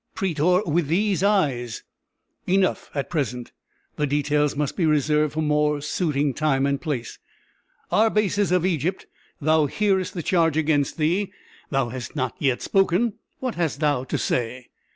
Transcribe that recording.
"Prætor with these eyes " "Enough at present the details must be reserved for more suiting time and place. Arbaces of Egypt, thou hearest the charge against thee thou hast not yet spoken what hast thou to say?"